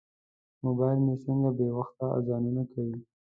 موبایل مې څنګه بې وخته اذانونه کوي.